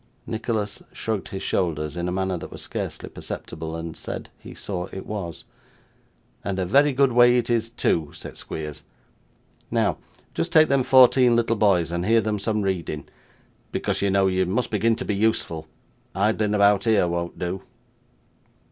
Nicholas shrugged his shoulders in a manner that was scarcely perceptible, and said he saw it was. 'And a very good way it is, too,' said Squeers. 'Now, just take them fourteen little boys and hear them some reading, because, you know, you must begin to be useful. Idling about here won't do.